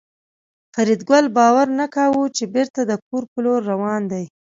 فریدګل باور نه کاوه چې بېرته د کور په لور روان دی